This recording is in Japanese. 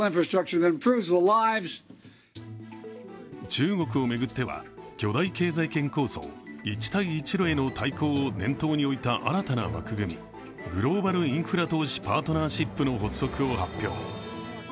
中国を巡っては、巨大経済圏構想一帯一路への対抗を念頭に置いた新たな枠組みグローバル・インフラ投資パートナーシップの発足を発表。